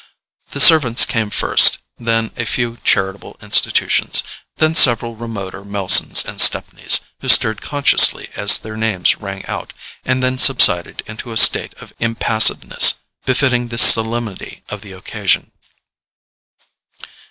The servants came first, then a few charitable institutions, then several remoter Melsons and Stepneys, who stirred consciously as their names rang out, and then subsided into a state of impassiveness befitting the solemnity of the occasion.